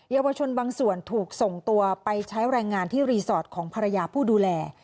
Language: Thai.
ยาวชนบางส่วนถูกส่งตัวไปใช้แรงงานที่รีสอร์ทของภรรยาผู้ดูแล